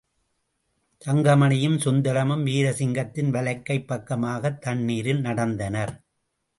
தங்கமணியும் சுந்தரமும் வீர்சிங்கின் வலக்கைப் பக்கமாகத் தண்ணீரில் நடந்தனர்.